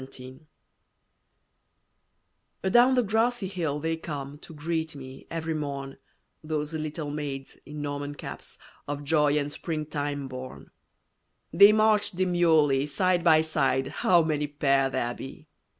THE IRIS Adown the grassy hill they come, To greet me, every morn; Those little maids (in Norman caps) Of joy and spring time born. They march demurely, side by side, How many pair there be!